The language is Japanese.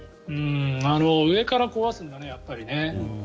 上から壊すんだねやっぱりね。